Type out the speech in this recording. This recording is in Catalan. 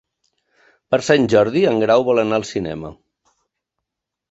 Per Sant Jordi en Grau vol anar al cinema.